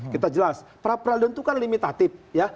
kita jelas perapradilan itu kan limitatif